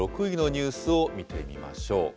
６位のニュースを見てみましょう。